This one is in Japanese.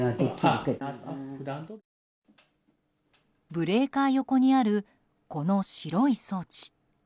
ブレーカー横にあるこの白い装置。